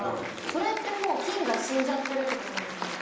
それって菌が死んじゃってるって事なんですか？